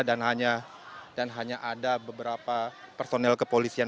dan hanya ada beberapa personel kepolisian